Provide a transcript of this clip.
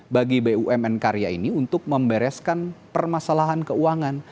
bagi bumn karya ini untuk membereskan permasalahan keuangan